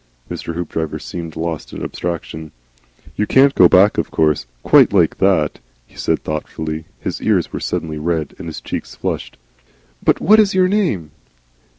Mr. Hoopdriver seemed lost in abstraction. "You can't go back of course, quite like that," he said thoughtfully. His ears waxed suddenly red and his cheeks flushed. "But what IS your name?"